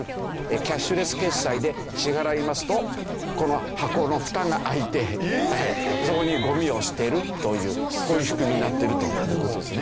キャッシュレス決済で支払いますとこの箱のフタが開いてそこにゴミを捨てるというこういう仕組みになってるという事ですね。